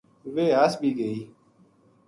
ویہ ہس بھی گئی